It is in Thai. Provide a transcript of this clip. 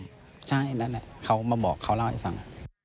ใช่นั่นแหละเขามาบอกเขาเล่าให้ฟัง